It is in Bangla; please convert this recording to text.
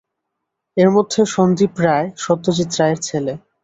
এর মধ্যে সন্দীপ রায় সত্যজিৎ রায়ের ছেলে।